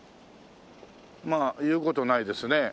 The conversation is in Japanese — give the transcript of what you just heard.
まあ言う事ないですね。